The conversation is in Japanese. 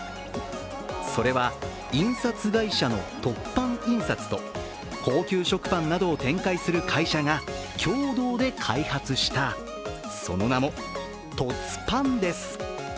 それは印刷会社の凸版印刷と高級食パンなどを展開する会社が共同で開発した、その名も凸パンです。